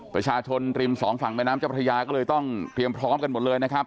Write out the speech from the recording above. ประชาชนริมสองฝั่งแม่น้ำเจ้าพระยาก็เลยต้องเตรียมพร้อมกันหมดเลยนะครับ